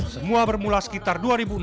semua bermula sekitar dua ribu enam belas